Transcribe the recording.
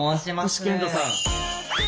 星賢人さん。